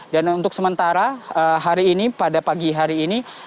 dan untuk sementara hari ini pada pagi hari ini